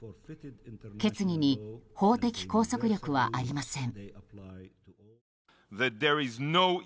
決議に法的拘束力はありません。